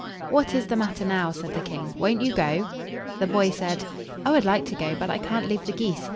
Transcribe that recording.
"What is the matter now?" said the king. "Won't you go?" The boy said, "I would like to go; but I can't leave the geese.